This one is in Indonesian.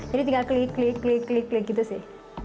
jadi tinggal klik klik klik gitu sih